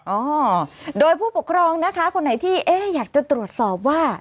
อ๋อโดยผู้ปกครองนะคะคนไหนที่เอ๊ะอยากจะตรวจสอบว่า